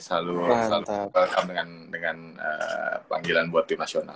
selalu selalu berkamp dengan panggilan buat tim nasional